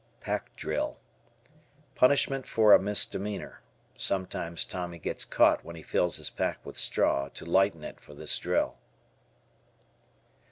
Pack Drill. Punishment for a misdemeanor. Sometimes Tommy gets caught when he fills his pack with straw to lighten it for this drill.